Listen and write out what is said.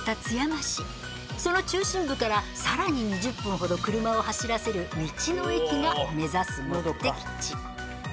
その中心部からさらに２０分ほど車を走らせる道の駅が目指す目的地！